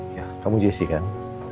ya kamu jesse kan